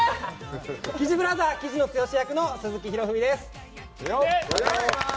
キジブラザー、雉野つよし役の鈴木浩文です。